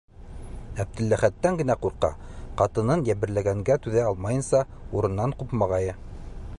Әптеләхәттән генә ҡурҡа: ҡатынын йәберләгәнгә түҙә алмайынса, урынынан ҡупмағайы.